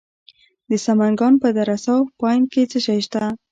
د سمنګان په دره صوف پاین کې څه شی شته؟